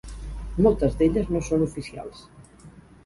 Moltes d'elles no són oficials.